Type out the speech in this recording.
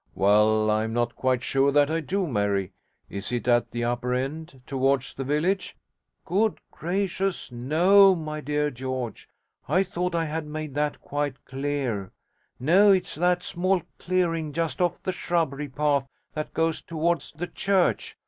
'Well, I'm not quite sure that I do, Mary. Is it at the upper end, towards the village?' 'Good gracious no, my dear George; I thought I had made that quite clear. No, it's that small clearing just off the shrubbery path that goes towards the church.'